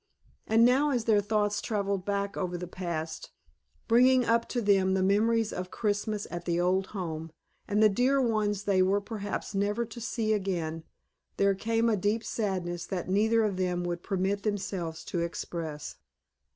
And now as their thoughts traveled back over the past, bringing up to them the memories of Christmas at the old home, and the dear ones they were perhaps never to see again, there came a deep sadness that neither of them would permit themselves to express.